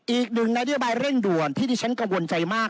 อีกหนึ่งนโยบายเร่งด่วนที่ที่ฉันกังวลใจมาก